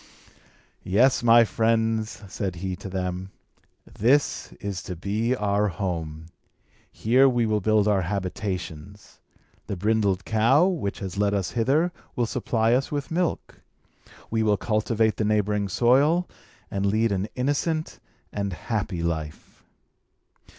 "Yes, my friends," said he to them, "this is to be our home. Here we will build our habitations. The brindled cow, which has led us hither, will supply us with milk. We will cultivate the neighbouring soil, and lead an innocent and happy life."